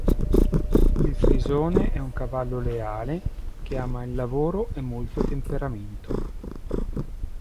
Il Frisone è un cavallo leale, che ama il lavoro e molto temperamento.